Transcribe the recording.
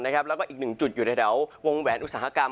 และอีก๑จุดอยู่ที่ระหว่างแวนอุตสาหกรรม